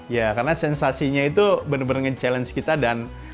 ya karena sensasinya itu benar benar nge challenge kita dan